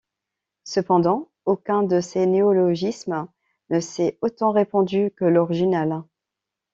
Cependant, aucun de ces néologismes ne s'est autant répandu que l'original.